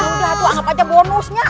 udah tuh anggap aja bonusnya